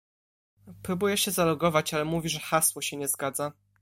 Próbuję się zalogować, ale mówi, że hasło się nie zgadza.